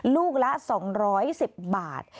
ลูกละ๒๑๐บาท